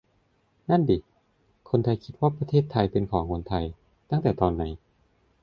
นั่นดิ คนไทยคิดว่าประเทศไทยเป็นของคนไทย ตั้งแต่ตอนไหน ?